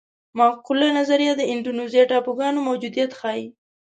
معقوله نظریه د اندونیزیا ټاپوګانو موجودیت ښيي.